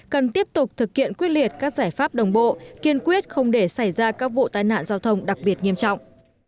cần tiếp tục thực hiện quyết liệt các giải pháp đồng bộ kiên quyết không để xảy ra các vụ tai nạn giao thông đặc biệt nghiêm trọng